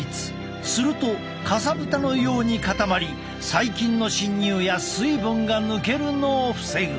するとかさぶたのように固まり細菌の侵入や水分が抜けるのを防ぐ。